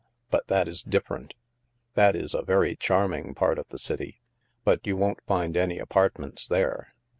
But that is different. That is a very charming part of the city; but you won't find any apartments there.